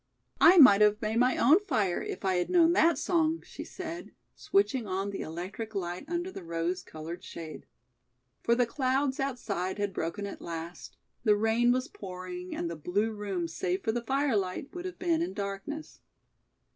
"I might have made my own fire if I had known that song," she said, switching on the electric light under the rose colored shade. For the clouds outside had broken at last, the rain was pouring and the blue room save for the firelight would have been in darkness.